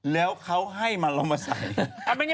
แล้วเขาให้มาเราเอามาใส่